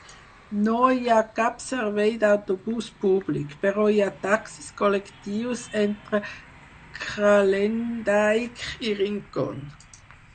No hi ha cap servei d'autobús públic, però hi ha taxis col·lectius entre Kralendijk i Rincon.